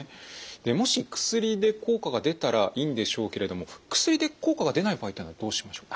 もし薬で効果が出たらいいんでしょうけれども薬で効果が出ない場合っていうのはどうしましょう？